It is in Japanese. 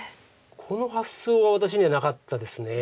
この発想は私にはなかったです。